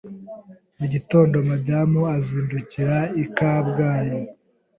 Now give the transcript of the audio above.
mu gitondo madamu azindukira i Kabgayi